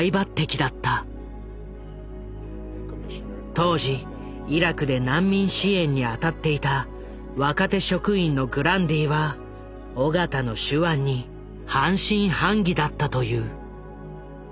当時イラクで難民支援に当たっていた若手職員のグランディは緒方の手腕に半信半疑だったという。